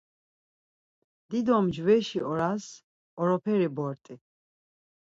Dido mcveşi oras oroperi bort̆i...